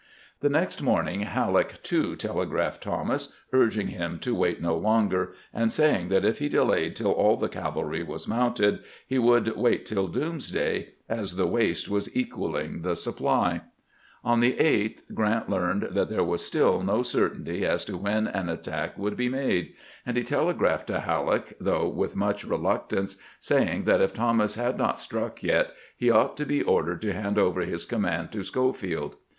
The next morning Halleck, too, telegraphed Thomas, urging him to wait no longer, and saying that if he delayed tUl all the cavalry was mounted he would wait tiU doomsday, as the waste was equaling the supply. On the 8th Grant learned that there was still no certainty as to when an attack would be made ; and he telegraphed to Halleck, though with much reluctance, saying that if Thomas had not struck yet he ought to be ordered to hand over his command to Schofield.